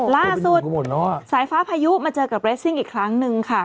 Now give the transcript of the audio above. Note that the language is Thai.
ล่าสุดสายฟ้าพายุมาเจอกับเรสซิ่งอีกครั้งนึงค่ะ